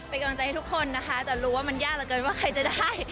เป็นกำลังใจให้ทุกคนนะคะแต่รู้ว่ามันยากเหลือเกินว่าใครจะได้